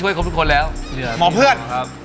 หมอเพื่อน